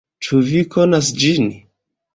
Ĉu vi konas ĝin?